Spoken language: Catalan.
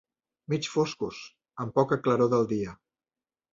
Mig foscos, amb poca claror del dia.